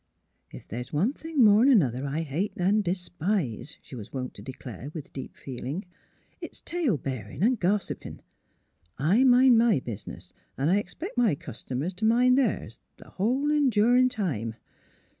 *' Ef there's one thing more'n another I hate an' despise," she was wont to declare, with deep feeling, " it's tale bearin' an' gossipin'. I min' my business, an' I expect my customers to min* theirs, the hull endurin' time.